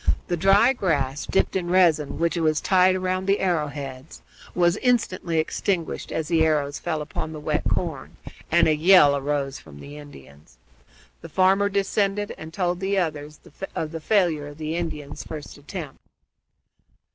The dry grass dipped in resin, which was tied round the arrow heads, was instantly extinguished as the arrows fell upon the wet corn, and a yell arose from the Indians. The farmer descended and told the others of the failure of the Indians' first attempt.